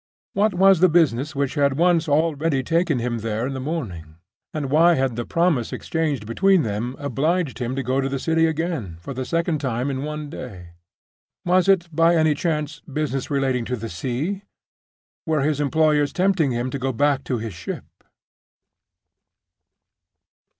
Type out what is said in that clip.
What was the business which had once already taken him there in the morning? And why had the promise exchanged between them obliged him to go to the City again, for the second time in one day? Was it by any chance business relating to the sea? Were his employers tempting him to go back to his ship?